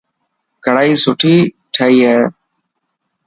ڪڙائي سوٺي ٺهي هي.